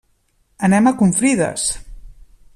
Anem a Confrides.